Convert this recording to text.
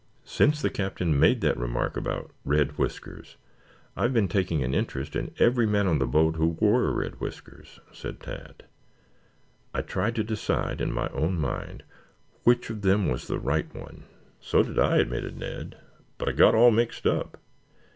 "Since the Captain made that remark about 'Red Whiskers' I have been taking an interest in every man on the boat who wore red whiskers," said Tad. "I tried to decide, in my own mind, which of them was the right one." "So did I," admitted Ned. "But I got all mixed up.